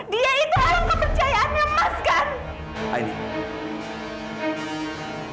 dia itu orang kepercayaannya pas kan